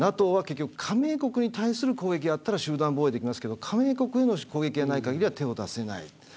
ＮＡＴＯは結局加盟国に対する攻撃だったら集団防衛できますけど加盟国への攻撃がない場合は手を出せない。